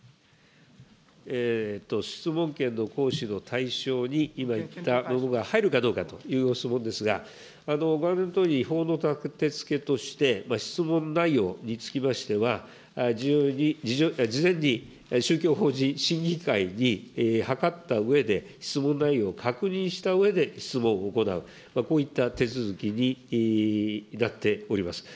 質問権の行使の対象に、今言ったものが入るかどうかというご質問ですが、ご案内のとおり、法のたてつけとして、質問内容につきましては、事前に宗教法人審議会に諮ったうえで、質問内容を確認したうえで、質問を行う、こういった手続きになっております。